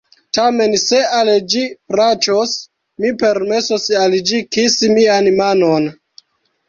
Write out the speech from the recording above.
"Tamen se al ĝi plaĉos, mi permesos al ĝi kisi mian manon."